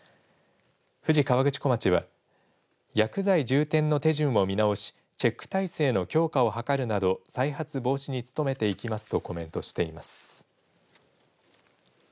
富士河口湖町は薬剤充填の手順を見直しチェック態勢の強化を図るなど再発防止に努めていきますとコメントしています。